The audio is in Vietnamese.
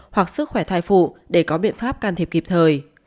hoặc sức khỏe thai phụ để có biện pháp can thiệp kịp thời